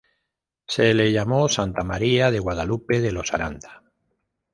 Se le llamó Santa María de Guadalupe de los Aranda.